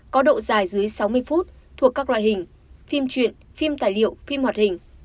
có độ dài dưới sáu mươi phút thuộc các loại hình phim truyện phim tài liệu phim hoạt hình